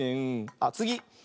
あっつぎ。